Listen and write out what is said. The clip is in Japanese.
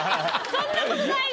そんなことないです。